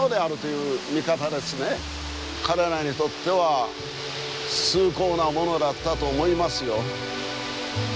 彼らにとっては崇高なものだったと思いますよ。